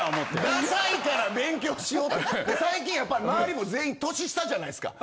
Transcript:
ダサいから勉強しようと最近やっぱり周りも全員年下じゃないですか。